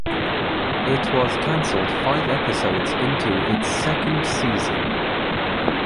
It was canceled five episodes into its second season.